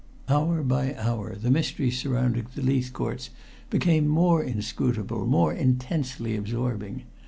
Hour by hour the mystery surrounding the Leithcourts became more inscrutable, more intensely absorbing.